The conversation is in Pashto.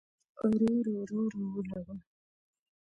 رور، رور، رور اولګوو